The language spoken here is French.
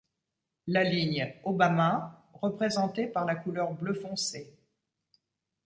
La ligne Obama représentée par la couleur bleu foncé.